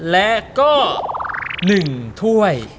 และก็๑ถ้วย